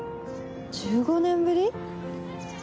１５年ぶり？